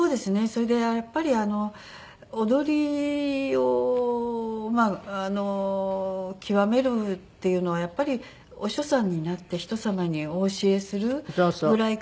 それでやっぱり踊りを極めるっていうのはやっぱりお師匠さんになって人様にお教えするぐらいかなと思って。